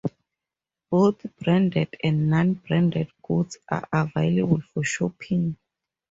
Both branded and non-branded goods are available for shopping.